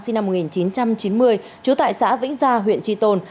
sinh năm một nghìn chín trăm chín mươi trú tại xã vĩnh gia huyện tri tôn